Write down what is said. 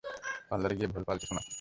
পার্লারে গিয়ে ভোল পালটেছ নাকি?